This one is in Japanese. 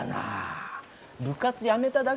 部活やめただけでしょ。